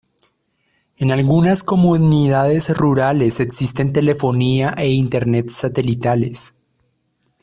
En algunas comunidades rurales existen telefonía e Internet satelitales.